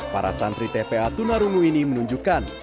para santri tpa tunarungu ini menunjukkan